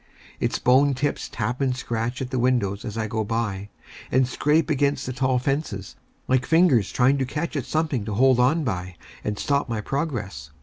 Its bone tips tap and scratch at the windows as I go by, and scrape against the tall fences, like fingers trying to catch at something to hold on by, and stop my progress.